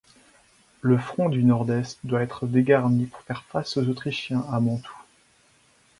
Le front du nordest doit être dégarni pour faire face aux Autrichiens à Mantoue.